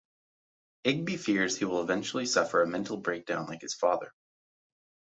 Igby fears he will eventually suffer a mental breakdown like his father.